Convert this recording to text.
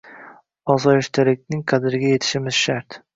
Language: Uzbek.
Osoyishtalikning qadriga yetishimiz shart!